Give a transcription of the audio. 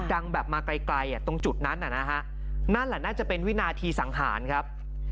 ดังแบบมาไกลตรงจุดนั้นนะฮะนั่นแหละน่าจะเป็นวินาทีสังหารครับ